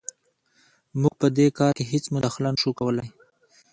موږ په دې کار کې هېڅ مداخله نه شو کولی.